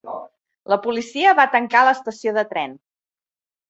La policia va tancar l'estació de tren.